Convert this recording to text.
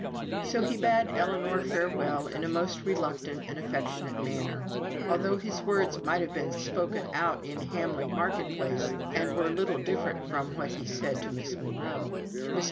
So he bade Ellinor farewell in a most reluctant and affectionate manner, although his words might have been spoken out in Hamley market place, and were little different from what he said to Miss Monro. Mr.